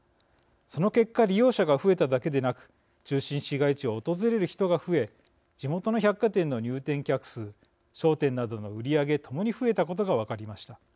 その結果利用者が増えただけでなく中心市街地を訪れる人が増え地元の百貨店の入店客数商店などの売り上げ共に増えたことが分かりました。